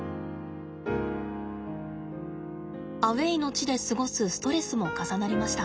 アウェーの地で過ごすストレスも重なりました。